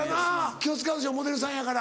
気を使うでしょモデルさんやから。